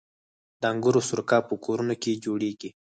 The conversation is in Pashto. د انګورو سرکه په کورونو کې جوړیږي.